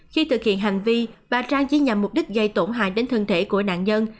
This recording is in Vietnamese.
khi thực hiện hành vi bà trang chỉ nhằm mục đích gây tổn hại đến thân thể của nạn nhân